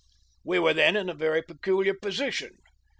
We were then in a very peculiar position.